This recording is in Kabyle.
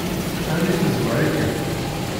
Ɛni tezwar-ikem?